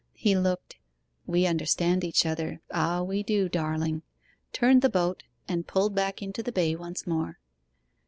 He looked, 'We understand each other ah, we do, darling!' turned the boat, and pulled back into the Bay once more.